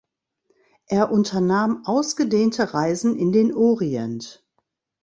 Er unternahm ausgedehnte Reisen in den Orient.